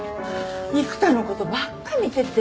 育田のことばっか見てて。